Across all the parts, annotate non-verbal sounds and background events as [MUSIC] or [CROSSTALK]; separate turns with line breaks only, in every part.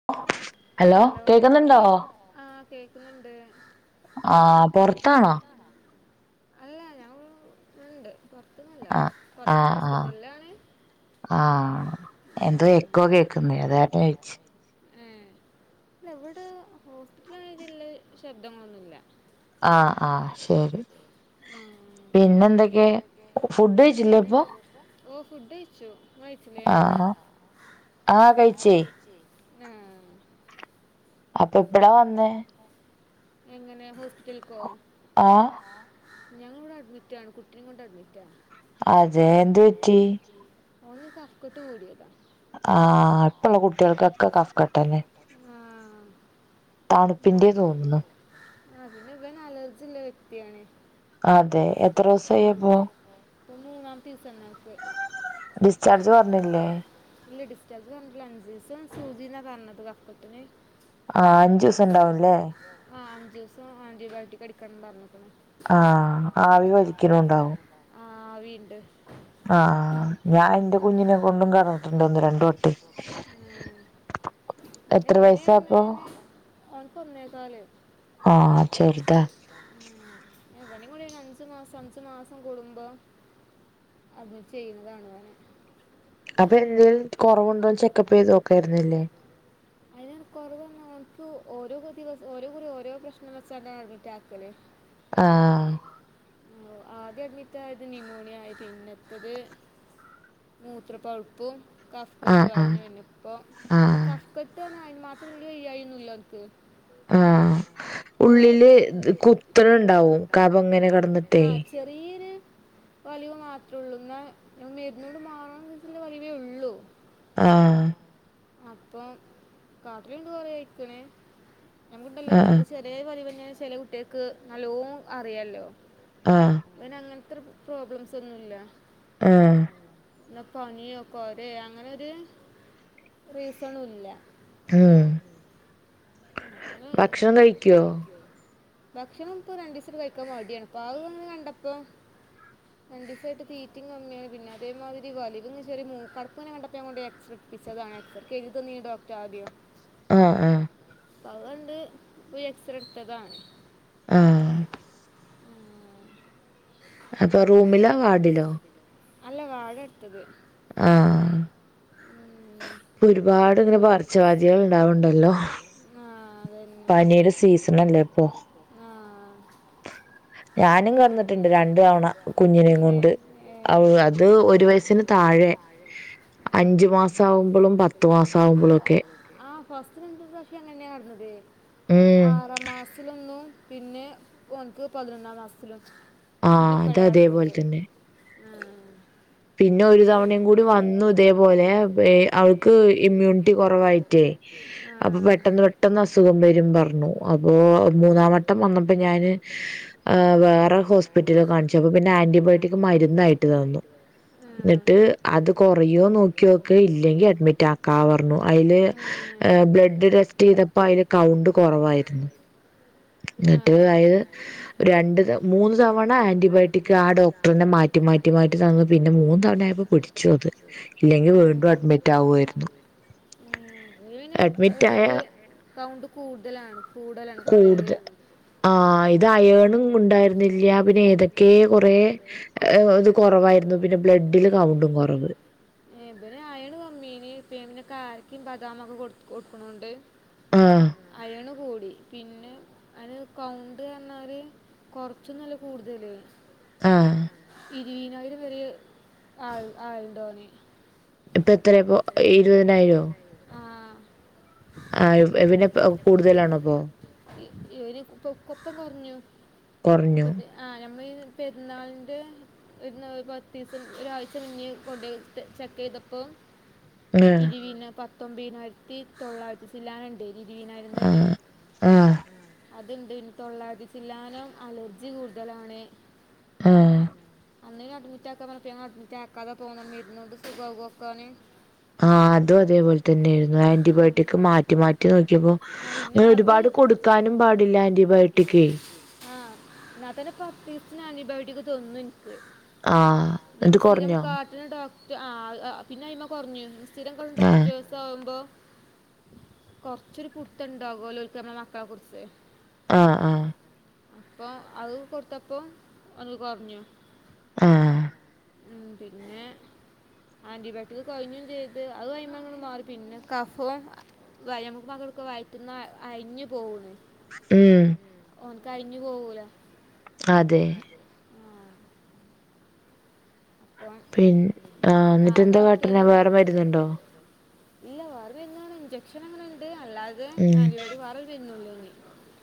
[INAUDIBLE]
Hello കേക് കേക്ക്ന്നുണ്ടോ ആഹ് കേക്കുന്നിണ്ട്
ആഹ് പൊറത്താണൊ
അല്ല [UNINTELLIGIBLE] ഇണ്ട് പൊറത്തിന്നല്ല പൊറത്തിന്ന് ഹോസ്പിറ്റലിലാണ്
ആഹ് എന്തോ എക്കോ കേക്കുന്നേ അതുകാരണോയ്ച്ച്
ഉം ഇല്ല ഇവിടേ ഹോസ്പിറ്റല് രീതീലിള്ള ശബ്ദങ്ങളൊന്നുല്ല
ആഹ് ആഹ് ശരി പിന്നെ എന്തൊക്കേ ഫുഡ് കഴിച്ചില്ലേ അപ്പോ
ഓഹ് ഫുഡ് കഴിച്ചു
ആഹ് ആഹ് കഴിച്ചേ
ആഹ്
അപ്പൊ ഇബട വന്ന്
എങ്ങനേ ഹോസ്പിറ്റൽക്കോ ഞങ്ങളിവിടെ അഡ്മിറ്റാണ് കുട്ടിനേം കൊണ്ട് അഡ്മിറ്റാണ്.
അതേ എന്ത് പറ്റി
ഓന് കഫക്കെട്ട് കൂടിയതാ
ആഹ് ഇപ്പുള്ള കുട്ടികൾക്കൊക്കെ കഫക്കെട്ടന്നെ
ആഹ്
തണുപ്പിന്റെ തോന്നണു
അഹ് പിന്നെ ഇവൻ അലർജീള്ള വ്യക്തിയാണ്
അതെ എത്ര ദിവസായി അപ്പോ
ഇപ്പ മൂന്നാമത്തീസാ ഇന്നേക്ക്
ഡിസ്ചാർജ് പറഞ്ഞില്ലേ
ഇല്ല ഡിസ്ചാർജ് പർഞ്ഞിട്ടില്ല അഞ്ചീസം സൂജിന്ന പർഞ്ഞത് കഫക്കെട്ടിന്
ആഹ് അഞ്ചു ദിവസം ഇണ്ടാവുല്ലേ
ആഹ് അഞ്ചു ദിവസം ആന്റിബയോട്ടിക് അടിക്കണംന്ന് പറഞ്ഞിക്കണ്
ആഹ് ആവി വലിക്കലുണ്ടാവും
ആഹ് ആവീണ്ട്
ആഹ് അഹ് ഞാൻന്റെ കുഞ്ഞിനെ കൊണ്ടും കെടന്ന ട്ടെണ്ടൊന്ന് രണ്ടു വട്ടെ
പിന്നെ ഇവന് ന്ന് ന്ന് ഓൻക്ക് ഒന്നേകാല് ഉം ഇവനേം കൂടി അഞ്ചു മാസം അഞ്ചു മാസം കൂടുമ്പോ അത് ചെയ്യുന്നതാണോന്
അപ്പ എന്തേലും കുറവുണ്ടോന്ന് ചെക്കപ്പ് ചെയ്ത് നോക്കായിരുന്നില്ലേ?
അതിന് കുറവെന്ന് നമുക്ക് ഓരോ ദിവസം ഓരോ കുറി ഓരോ പ്രശ്നം വെച്ചല്ലേ അഡ്മിറ്റാക്കല്
ആഹ്
ഓഹ് ആദ്യം അഡ്മിറ്റായത് ന്യുമോണിയ ആയി പിന്നത്തത് മൂത്രപ്പൾപ്പും കഫ്കെട്ടും അയ്ന് പിന്നിപ്പൊ കഫ്ക്കെട്ട് അതിന് മാത്രം [UNINTELLIGIBLE] ഓനിക്ക്
ആഹ് ഉള്ളില് ദ് കുത്ത്ണിണ്ടാവും കബം ഇങ്ങനെ കിടന്നി
ആഹ് ചെറീയൊര് വലിവ് മാത്രേ ഉള്ളൂ എന്നാ മെരുന്നുകൊണ്ട് മാറാ ഇള്ളതിന്റെ വലിവേ ഉള്ളു
ആഹ്.
അപ്പം കാട്ടിലുണ്ട് കൊറേ അയിക്ക്‌ണ് നങ്ങ്ണ്ടല്ലോ ശരി തേ വലിവ്ന്നെ ചെലേ കുട്ട്യാക്ക് നല്ലോ അറിയല്ലോ.
ആഹ്.
അവന അങ്ങനത്തെ പ്രോബ്ലംസ് ഒന്നുല്ല.
ആഹ്.
എന്ന പനിയോ കൊരയോ അങ്ങനൊരു റീസണുല്ല.
ഉം ഭക്ഷണം കഴിക്കോ?
ഭക്ഷണം ഇപ്പൊ രണ്ടു ദിവസം കഴിക്കാൻ മടിയാണ് പാകൾ കണ്ടപ്പോ. രണ്ടിസായിട്ട് തീറ്റി കമ്മിയാണ് പിന്നെ അതേമാതിരി വലിവുംങ് ചെറിയമൂക്കടപ്പങ്ങനെ കണ്ടപ്പോ എക്സറ്റ് പിച്ചതാണ് എക്സർക്കെഴുതി തന്നീനു ഡോക്ടർ ആദ്യം
ആഹ് ആഹ്
അതൊണ്ട് പോയ്‌ എക്സറെടുത്തതാണ്
ആഹ്
ഉം
അതൊ റൂമിലോ വാർഡിലോ?
അല്ല വാട എടുത്തത്.
ആഹ്, ഒരുപാട് ഇങ്ങനെ പാർച്ചവാധികൾ ഉണ്ടാവണ്ടല്ലോ പനിയുടെ സീസൺല്ലേ ഇപ്പൊ ഞാനും കടന്നിട്ടുണ്ട് രണ്ട തവണ കുഞ്ഞിനെയും കൊണ്ട് അത് ഒരു വയസിന് താഴെ അഞ്ചു മാസ് മാസ ആവുമ്പോഴും പത്ത് മാസം ആവുമ്പോഴുക്കെ
ആ ഫസ്റ്റ് പ്രഷെ അങ്ങന്നെയാ നടന്നത് ആറ മാസലൊന്നു പിന്നെ ഓൻക്ക് പതിനൊന്നാം മാസത്തിലും പിന്നെ പഴ കടക്ക വന് കഴിയും ആഹ്‌.
പിന്നെ ഒരു തവണയും കൂടി വന്നു ഇതേപോലെ അവൾക്ക് ഇമ്മ്യൂണിറ്റി കുറവായി ട്ടെ അപ്പൊ പെട്ടെന്ന് പെട്ടെന്ന് അസുഖം വരും പറഞ്ഞു അപ്പൊ മൂന്നാം വട്ടം വന്നപ്പോ ഞാന് വേറെ ഹോസ്പിറ്റലിൽ കാണിച്ചു അപ്പൊ പിന്നെ ആന്റിബയോട്ടിക് മരുന്ന ആയിട്ട് തന്നു എന്നിട്ട് അത് കൊറയോ നോക്കിയോ ഒക്കെ ഇല്ലെങ്കിൽ അഡ്മിറ്റ് ആക്കാ പറഞ്ഞു അതില് ബ്ലഡ് ടെസ്റ്റ് ചെയ്തപ്പോ അതിന്റെ കൗണ്ട് കുറവായിരുന്നു ന്നിട്ട് അയി രണ്ട് മൂന്ന് തവണ ആന്റിബയോട്ടിക് ആ ഡോക്ടറിനെ മാറ്റി മാറ്റി മാറ്റി തന്ന പിന്നെ മൂന്ന തവണയപ്പോ പിടിച്ചു അത് ഇല്ലെങ്കിൽ വീണ്ടും അഡ്മിറ്റ് ആവുവായിരുന്നു അഡ്മിറ്റായ
ക്കൗണ്ട് കൂടുതലാണ്
കൂടുതൽ ആ ഇത് അയണും ഉണ്ടായിരുന്നില്ല പിന്നെ ഏതൊക്കെ കൊറെ ഇത് കുറവായിരുന്നു പിന്നെ ബ്ലഡില് കൗണ്ടും കുറവ്
ബന് ആയാണ് കമ്മീന് ഫേമിനക്കെ ആർക്കും ബദാമൊക്കെ കൊടു കൊടുക്കണണ്ട്
ആഹ്‌.
അയണ് കൂടി പിന്നെ അന് കൗണ്ട് പറഞ്ഞാര് കൊറച്ചൊന്നല്ല കൂടുതല്
ആഹ്‌.
ഇരുവതിനായിര വരെിയ ആ ആണ്ടോനെ
ഇപ്പൊ എത്രയ ഇപ്പോ ഇരുപതിനായിരോ ആ ഇനെ കൂടുതലാണോ അപ്പോ
[UNINTELLIGIBLE] പ്പ പ്പ പ്പകൊറഞ്ഞു [UNINTELLIGIBLE] ആഹ് ഞമ്മൾ പെരുന്നാളിന്റെ ഇന്ന് ഒരു പത്ത് ദിവസം ഒരാഴ്ച ഇറിഞ്ഞ് കൊണ്ട ചെക്ക് ചെയ്തപ്പോ ഇരുവീന പത്തൊമ്പതിനായിരത്തി തൊള്ളായിരത്തി ചില്ലാനണ്ട് ഇരുവീനായിരം തന്നെ-
ആഹ്
അതുണ്ട് ഇനി തൊള്ളാതി ചില്ലാനോ അലർജി കൂടുതലാണ്
ആഹ്
അന്ന് അഡമിറ്റാക്കാൻ പറഞ്ഞ അഡമിച്ചാക്കതാ പോകണം സുഖ കൊക്കാണ്
ആഹ് അതും അതേപോലെ തന്നെയ ആയിരുന്നു ആന്റിബയോട്ടിക് മാറ്റി മാറ്റി നോക്കിയപ്പോ അങ്ങനെ ഒരുപാട് കൊടുക്കാനും പാടില്ല ആന്റിബയോട്ടിക്ക്.
ആഹ് എന്നാ തന്നെ പത്ത് ദസന് ആന്റിബയോട്ടിക്ക് തോന്നുന്നു എനിക്ക് സ്ഥിരം കാട്ടന് ഡോക്ട ആഹ് പിന്നെ അയിമ്മ കുറഞ്ഞു- സ്ഥിം കൊളും ഡോക്ടേഴ്സ് ആവുമ്പോ- കുച്ച ഒരു കുർത്തുണ്ടോലോ മക്കളെ കുറിച്ച്-
ആഹ് ആഹ്
അപ്പൊ അത് കൊടുത്തപ്പോ ഒന്ന് കുറഞ്ഞു.
ആഹ്
പിന്നെ ആന്റിബയോട്ടിക് കഴിഞ്ഞും ചെയ്ത് അത് കൈങ്ങൾ മാറി പിന്നെ കഫോ ക മകൾൊക്കെ വയറ്റുന്ന അയിഞ്ഞു പോണ്
ഉം.
ഓൻകയ്ഞ് പോകൂലാ-
അതെ-
ആഹ്
പിന്ന ആഹ് ന്നിട്ട് എന്താ കാട്ടല് വേറെ മരുന്നുണ്ടോ?
ഇല്ല വേറെ മരുന്നൊ ഇൻചക്ഷനങ്ങനെണ്ട് അല്ലാതെ ആന്റിബയഡി വേറെൽ വരുന്നുള്ളൂ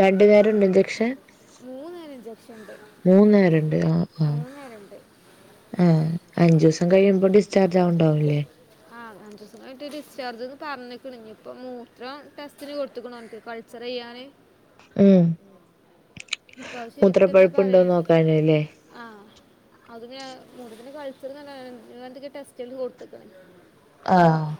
രണ്ടു നേരണ്ടോഞ്ചക്ഷൻ?
മൂന്ന് നേര
മൂന്ന് നേരണ്ട് ആഹ് ആഹ് ആഹ് അഞ്ചൂസം കയുമ്പോ ഡിസ്ചാർജ് ആവണ്ടാവൂില്ലേ?
ആഹ് അഞ്ച്സം കയിഞ്ഞിട്ട് ഡിസ്ചാർജ്ന്ന് പറഞ്ഞിക്ക്ണ് ഞിഇപ്പം മൂത്രം ടെസ്റ്റിന് കൊടുത്തുക്കുണു ഓൻക്ക് ചെറിയാന്
ഉം മൂത്രപ്പഴുപ്പുണ്ടോന്ന് നോക്കാനല്ലേ?
ആഹ് അതിന് മൂപ്പർക് കഴ്ത്തിന് നല്ല വേദനാ ന്നിട്ടെന്തൊകെ ടെസ്റ്റാൾക്ക് കൊടുത്ക്ക്ണ്
ആഹ്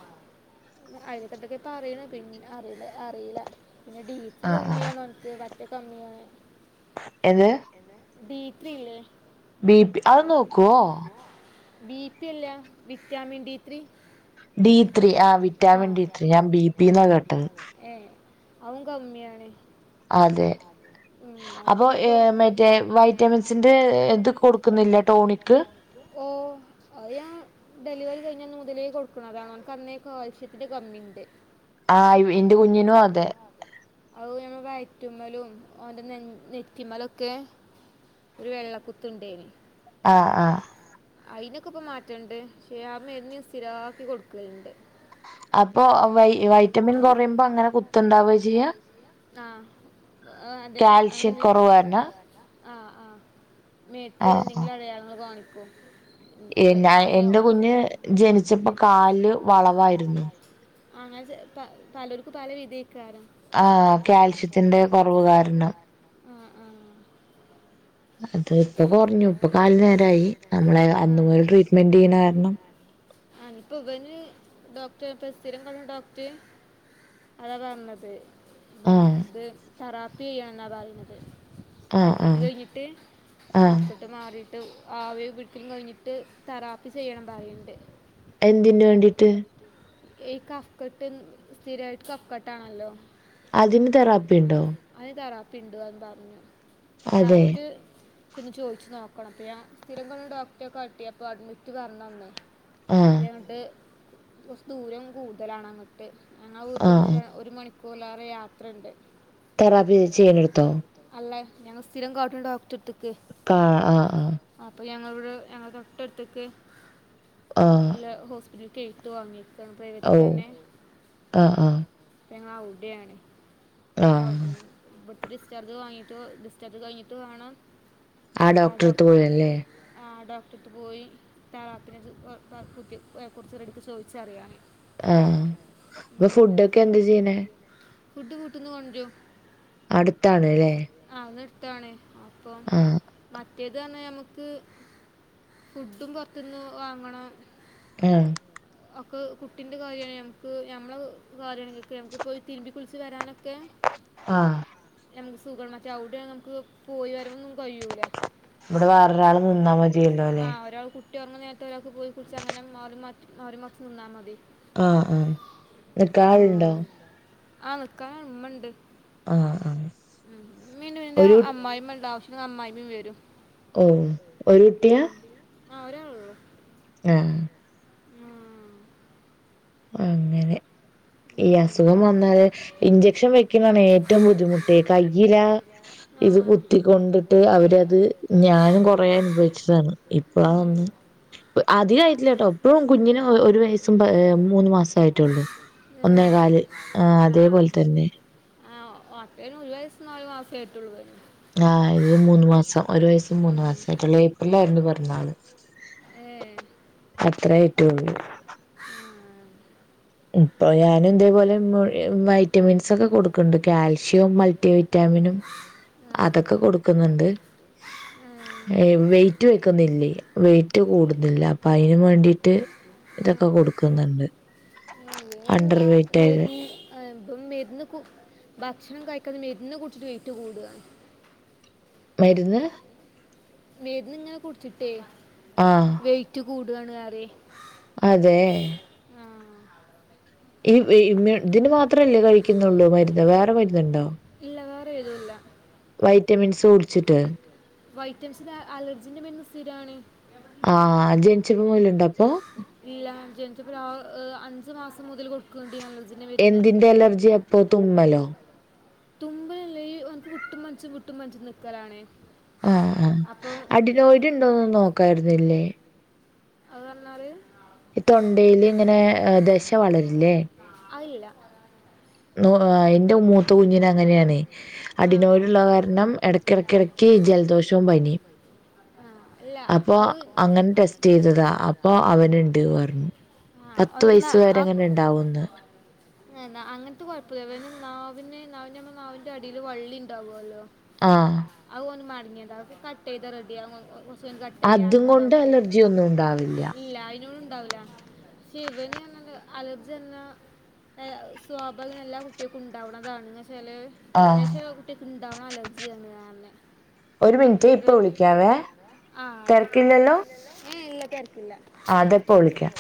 അങ്ങനെക്കെന്തൊക്കെ പറയണ് പിന്നെ അല്ല അറിയില്ല പിന്നെ ഡീപി കമ്മിയാണോൻക്ക് മറ്റ കമിയാണ്-
ഏന്ത്?
ബിപില്ലേ?
ബി പി അത് നോക്കോ?
ബി പി അല്ല vitamin D three.
D three ആഹ് വിറ്റാമിൻ ഡി ത്രീ ഞാൻ ബി പിന്നാ കേട്ടത്.
ഏഹ് അതും കമ്മിയാണ്-
അതെ- അപ്പോ മറ്റെ വൈറ്റമിൻസിന്റെ എന്ത് കൊടുക്കുന്നില്ലേ ടോണിക്ക്?
ഓ അത് ഞാ ഡെലിവറി കഴിഞ്ഞന്ന് മുതലേ കൊടുക്കണതാണ് ഓൻക്ക് അന്നേെ കാൽസ്യത്തിന്റെ കമ്മിണ്ട്
ആഹ് ഇന്റെ കുഞ്ഞിനും അതെ
[UNINTELLIGIBLE] വയറ്റുമ്മലും ഓന്റെറെ നെറ്റി മലൊക്കെ ഒരു വെള്ളക്കുത്ത് ഉണ്ടേന്-
ആഹ് ആഹ്
അയിനൊക്കെപ്പ മാറ്റണ്ട് സ്ഥിരാക്കി കൊടുക്കലണ്ട്
അപ്പൊ വൈ വൈറ്റമിൻ കൊറയുമ്പോ അങ്ങനെ കു
ആഹ് അതെ അൺ ആഹ് ആഹ് മേത്ത് എന്തെങ്കിലും അടയാളങ്ങൾ കാണിക്കും
ഞാൻ എന്റെ കുഞ്ഞ് ജനിച്ചപ്പോ കാല് വളവായിരുന്നു
അങ്ങനെ ചെ പ പലോർക്കും പല രീതി എയ്ക്കാരും
ആഹ് കാൽസ്യത്തിന്റെ കൊറവ് കാരണം അത് ഇപ്പോ കുറഞ്ഞു ഇപ്പൊ കാല് നേരായി നമ്മളെ അന്ന് മുതൽ ട്രീറ്റ്മെന്റ് ചെയ്യ്ണ കാരണം
ആഹ് ഇപ്പ ഇവന് ഡോക്ടർപ്പ സ്ഥിരം കാണ്‌ണ ഡോക്ടർ അതാ പറഞ്ഞത് ഇത് തെറാപ്പി ചെയ്യണെന്നാ പറീണത് അഡ്മിറ്റ് കഴിഞ്ഞിട്ട് കഫ കെട്ട് മാറിയിട്ട് ആവി പിടിക്കലും കഴിഞ്ഞിട്ട് തെറാപ്പി ചെയ്യണം പറയ്ണ്ട്
എന്തിന് വേണ്ടീട്ട്?
ഈ കഫ്ക്കെട്ട് സ്ഥിരായിട്ട് കഫ് ക്കെട്ടാണല്ലോ
അതിന് തെറാപ്പിണ്ടോ?
അയ്ന് തറാപിണ്ട് അന്ന് പറഞ്ഞു പ്പ കറക്റ്റ് ച്ചൊന്ന് ചോയ്ച്ച് നോക്കണം അപ്പ ഞാൻ സ്ഥിരം കാൺണെ ഡോക്ടെ കാട്ടിയപ്പൊ അഡ്മിറ്റ് പറഞ്ഞ് അന്ന് പിന്നെ അങ്ങ്ട്ട് കൊറച്ച് ദൂരം കൂടുതലാണ് അങ്ങട്ട് ഞങ്ങളെ വീട്ട്ന്ന് ഒര് ഒരു മണിക്കൂർലേറെ യാത്രണ്ട് അല്ല ഞങ്ങള് സ്ഥിരം കാട്ട്ണ ഡോക്ടർ എട്ത്ത്ക്ക്
കാ ആഹ് ആഹ്
അപ്പൊ ഞങ്ങളിവടെ ഞങ്ങളെ തൊട്ടട്ത്ത്ക്ക്
ആഹ്
ഇല്ല ഹോസ്പിറ്റൽക്ക് എഴ്ത്ത് വാങ്ങിയക്കാണ് പ്രൈവെറ്റ്ക്കെന്നെ ഇപ്പ ഞങ്ങള് ഔട്യാണ് ഉം ഇവ്‌ട്ത്തെ ഡിസ്ചാർജ് വാങ്ങീട്ട് ഡിസ്ചാർജ് കഴിഞ്ഞിട്ട് വാണം
ആ ഡോക്ടർ എട്ത്ത് പോയാല്ലേ
ആഹ് ഡോക്ടറെട്ത്ത് പോയി തെറാപ്പിനെ ഓ കുത്തി കുർച്ച് റെഡിക്ക് ചോയ്ച്ചറിയാന്
ആഹ് അപ്പൊ ഫുഡൊക്കെന്താ ചെയ്യ്ണേ
ഫുഡ് വീട്ട്ന്നു കൊണ്ട് രും
അടുത്താണ് ല്ലേ
ആഹ് അവ്ട്ന്ന് എട്ത്താണ് അപ്പം മ റ്റേത് പറഞ്ഞാ നമ്മക്ക് ഫുഡും പൊറത്ത്ന്ന് വാങ്ങണം
ആഹ്
ഒക്കെ കുട്ടിന്റെ കാര്യയാ ഞമ്മക്ക് നമ്മെളെ കാര്യാണെങ്കി ഒക്കെ ഞമ്മക്ക് പോയി തിര്ബി കുള്ച്ച് വരാനൊക്കെ
ആഹ്
നമ്മക്ക് സുഖാണ് മറ്റേ ഔട്യാണെ നമ്മക്ക് പോയി വരവൊന്നും കയ്യൂല
വടെ വേറൊരാള് നിന്നാ മതിയെല്ലോല്ലേ
കുട്ടി ഒറങ്ങ്ന്നേരത്ത് ഒരാൾക്ക് പോയി കുള്ച്ചാ അങ്ങനെ മാറി മർ മാറിമർച്ച് നിന്നാ മതി
ആഹ് ആഹ് നിക്കാ ആള്ണ്ടോ
ആഹ് നിക്കാൻ ഇമ്മണ്ട്
ആഹ് ആഹ്
ഇമ്മീണ്ട് പിന്നെ അമ്മായിമ്മണ്ട് ആവ്‌ശ്യംണ്ടേ അമ്മായിമ്മേം വെരും
ഓഹ് ഒരു കുട്ടിയാ
ആഹ് ഒരാളൊള്ളൂ
ആഹ്
ആഹ്
അങ്ങനെ ഈ അസുഖം വന്നാല് ഇഞ്ചക്ഷൻ വെക്കുന്നാണ് ഏറ്റവും ബുദ്ധിമുട്ടേ കയ്യിലാ ഇത് കുത്തിക്കൊണ്ടിട്ട് അവരത് ഞാനും കൊറേ അനുഭവിച്ചതാണ് ഇപ്പളാ ഒന്ന് അധികായിയിട്ടില്ലട്ടോ ഇപ്പഴും കുഞ്ഞിന് ഒരു വയസ്സും പ്പ ഏഹ് മൂന്ന മാസയിട്ടൊള്ളു ഒന്നേകാല് ആഹ് അതേപോൽ തന്നെ
ആ ഓക്കയ്ന് ഒരു വയസ്സ് നാല് മസായിട്ടൊള്ളു [UNINTELLIGIBLE]
ആഹ് ഇത് മൂന്ന് മാസം ഒരു വയസ്സും മൂന്ന് മാസമായിട്ടൊള്ളൂ ഏപ്രിലായിരുന്നു പെറന്നാള് അത്രേ ആയിട്ടൊള്ളു ഇപ്പൊ ഞാനും ഇതേപോലെ മൊ വൈറ്റമിൻസ് ഒക്ക കൊട്ക്ക്ൺണ്ട് കാൽഷ്യോം മൾട്ടി വിറ്റാമിനും അതൊക്ക കൊട്ക്ക്ന്ന്ണ്ട് ഏഹ് വെയ് റ്റ് വെക്കുന്നില്ലെ വെയിറ്റ് കൂടുന്നില്ല അപ്പൊ അയ്നും വേണ്ടീട്ട് ഇതൊക്ക കൊട്ക്ക്ന്ന്ണ്ട്
മേ‌ബീ ഇപ്പം മെരുന്ന് കു ഭക്ഷണം കഴിക്കാതെ മെരുന്ന് കുട്ച്ചിട്ട് വെയ്റ്റ് കൂട്വാണ്
മരുന്ന്
മെര്ന്ന്ങ്ങനെ കുടിച്ചിട്ടേ
ആഹ്
വെയിറ്റ് കൂട്വാണ് അറെ
അതേ ഈ വൈ വ്‌ ഇതിന് മാത്രല്ലെ കഴിക്കുന്നുള്ളു മരുന്ന് വേറെ മരുന്ന്ണ്ടോ
ഇല്ല വേറെ ഏതുല്ലാ വൈറ്റമ്സിന് അലർജീന്റെ മരുന്ന് സ്ഥിരാണ്
ആഹ് ജൻച്ചപ്പൊ മുയലുണ്ടപ്പൊ
ഇല്ലാ ജൻചപൊ ആഹ് അഞ്ച് മാസം മുതല് കൊട്ക്ക്ൺണ്ട് ഈഅലർജി
എന്തിന്റെ അലർജ്യാപ്പൊ തുമ്മലോ
തുമ്പലല്ല ഈ ഓൻക്ക് വിട്ടും പൻച്ചും വിട്ടും പൻച്ചും നിക്കലാണ്
ആഹ് ആഹ് അടിനോയിടിണ്ടോന്ന് നോക്കാർന്നില്ലെ
അത് പർഞ്ഞാല്
ഈ തൊണ്ടേലിങ്ങനെ ദെശ വളരില്ലേ
അയില്ലാ
നോ എന്റെ മൂത്ത കുഞ്ഞിനങ്ങനെയാണേ അടിനോയിട്ള്ള കാര്ണം എടക്കെടക്കെടക്കെ ജലദോഷൊം പനിം അപ്പൊ അങ്ങനെ ടെസ്റ്റീതതാ അപ്പൊ അവനിണ്ട് പർഞ്ഞു
ആഹ് ഓൻക്ക്ന്നാ ആഹ് ഏന്നാ അങ്ങൻത്തെ കൊഴപ്പവേ ഇവന് നാവിന് നാവിന്റമ്മ നാവിൻ്റെ അടീല് വള്ളി ഇണ്ടാവോലൊ
ആഹ്
അയ് ഓന് മട്ങ്ങേത കട്ടീത റെഡിയാവു ചൺ കട്ടീയാന്നർഞു ഡോക്ട് ഇല്ലാ അയിനോള്ണ്ടാവൂല ക്ഷേ ഇവന് അർഞന്താ അലർജി എന്നാ ആഹ് സ്വാഭാവിക എല്ലാ കുട്ടീക്കും ഇണ്ടാവ്ണതാണ് ഇന്ന്ചാല്- പഷെ കുട്ടീക്ക് ഇണ്ടാവ്ണ അലർജ്യാണ് അർഞെ [UNINTELLIGIBLE] ആഹ് അയ്ക്കോട്ടെ തെര്ക്കില്ലല്ലൊ. ഏഹ് ഇല്ല തെരക്കില്ല
ആതൊക്ക ഒളിക്കാം